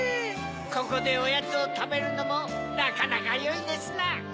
ここでおやつをたべるのもなかなかよいですな。